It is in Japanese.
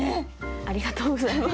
ありがとうございます。